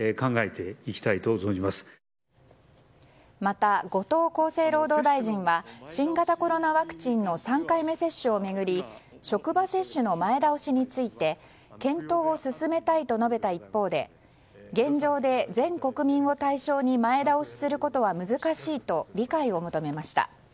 また、後藤厚生労働大臣は新型コロナワクチンの３回目接種を巡り職場接種の前倒しについて検討を進めたいと述べた一方で現状で全国民を対象に前倒しすることは難しいと理解を求めました。